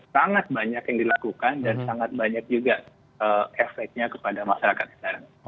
sangat banyak yang dilakukan dan sangat banyak juga efeknya kepada masyarakat sekarang